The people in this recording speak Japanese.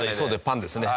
「パン！」ですね。